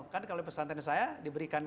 kan kalau di pesan tren saya diberikan